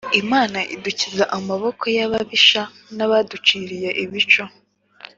Imana idukiza amaboko y’ababisha n’abaduciriye ibico